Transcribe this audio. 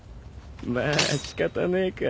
まあ仕方ねえか。